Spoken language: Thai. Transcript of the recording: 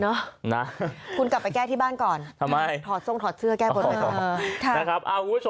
นะคุณกลับไปแก้ที่บ้านก่อนทำไมถอดทรงถอดเสื้อแก้บนไปก่อนนะครับ